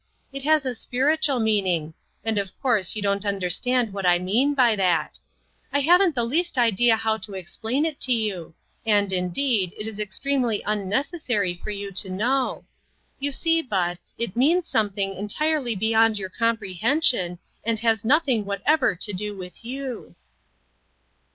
It has a spiritual meaning ; and of course you don't understand what I mean by that ! I haven't the least idea how to explain it to you, and indeed, it is extremely unnec essary for you to know. You see, Bud, it" means something entirely beyond your com prehension, and has nothing whatever to do with you."